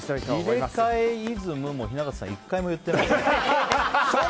リレカエイズムも雛形さん１回も言ってない。